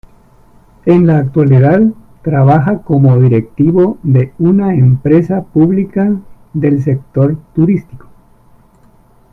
En la actualidad trabaja como directivo de una empresa pública del sector turístico.